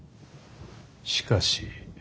しかし。